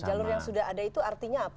jalur yang sudah ada itu artinya apa